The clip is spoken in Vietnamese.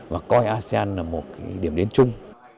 và coi asean là một điểm đến chung